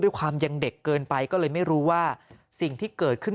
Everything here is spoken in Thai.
ด้วยความยังเด็กเกินไปก็เลยไม่รู้ว่าสิ่งที่เกิดขึ้น